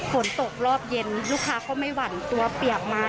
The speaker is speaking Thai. ฝนตกรอบเย็นลูกค้าก็ไม่หวั่นตัวเปียกมา